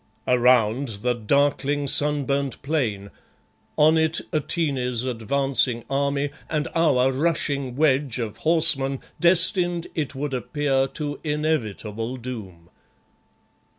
Around the darkling, sunburnt plain. On it Atene's advancing army, and our rushing wedge of horsemen destined, it would appear, to inevitable doom.